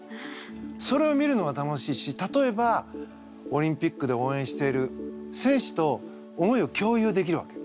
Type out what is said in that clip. それを見るのが楽しいし例えばオリンピックで応援している選手と思いを共有できるわけ。